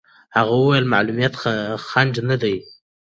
هغې وویل معلولیت خنډ نه دی.